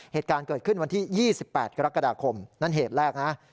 เหตุการณ์เกิดขึ้นวันที่๒๘กรกฎาคมนั่นเหตุแรกนะ